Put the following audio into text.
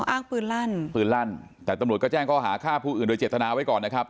อ้างปืนลั่นปืนลั่นแต่ตำรวจก็แจ้งข้อหาฆ่าผู้อื่นโดยเจตนาไว้ก่อนนะครับ